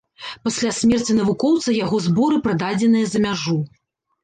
Пасля смерці навукоўца яго зборы прададзеныя за мяжу.